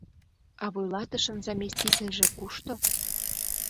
А вуйлатышын заместительже кушто?